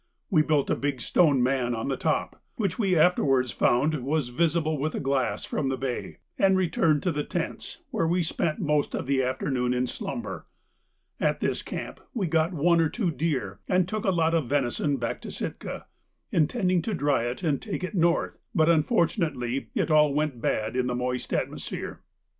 We built a big stone man on the top, which we afterwards found was visible with a glass from the bay, and returned to the tents, where we spent most of the afternoon in slumber. At this camp we got one or two deer, and took a lot of venison back to Sitka, intending to dry it and take it north, but unfortunately it all went bad in that moist atmosphere.